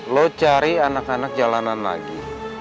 lo cari anak anak jalanan lagi